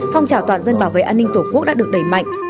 phong trào toàn dân bảo vệ an ninh tổ quốc đã được đẩy mạnh